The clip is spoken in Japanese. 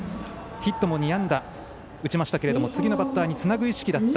ヒットも２本打ちましたが次のバッターにつなぐ意識だった。